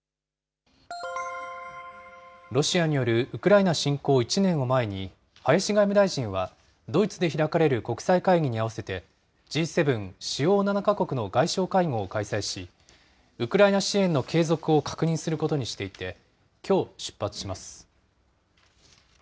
ロシアによるウクライナ侵攻１年を前に、林外務大臣はドイツで開かれる国際会議に合わせて、Ｇ７・主要７か国の外相会合を開催し、ウクライナ支援の継続を確認することにしていて、きょう出発します。